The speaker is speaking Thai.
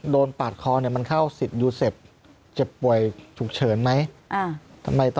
โดนปากคอมันเข้าสิทธิ์ยูเซฟเจ็บป่วยฉุกเฉินไหม